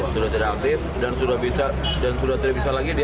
sudah tidak aktif dan sudah bisa dan sudah tidak bisa lagi